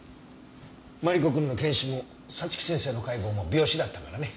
マリコ君の検視も早月先生の解剖も病死だったからね。